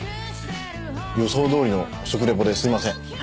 予想どおりの食リポですいません。